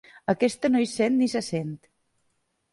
Aquesta no hi sent ni se sent.